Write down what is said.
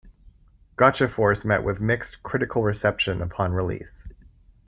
"Gotcha Force" met with mixed critical reception upon release.